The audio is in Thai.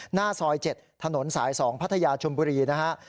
หน้าซอย๗ถนนสาย๒พัทยาชมบุรีนะฮะ